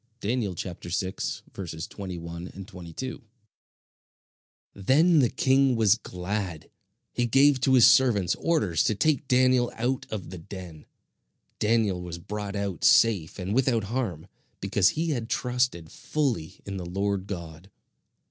(Daniel 6: 21 22.)] Then the king was glad. He gave to his servants orders to take Daniel out of the den. Daniel was brought out safe and without harm, because he had trusted fully in the Lord God.